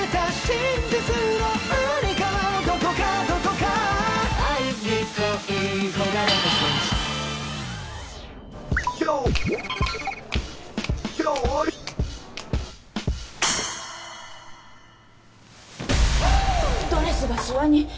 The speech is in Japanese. ドレスがシワに。